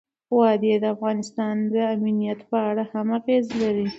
وادي د افغانستان د امنیت په اړه هم اغېز لري.